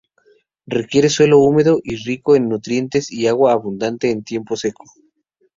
Requiere suelo húmedo y rico en nutrientes, y agua abundante en tiempo seco.